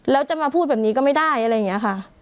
แล้วจะมาพูดแบบนี้ก็ไม่ได้อะไรอย่างนี้ค่ะ